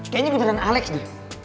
kayanya beneran alex deh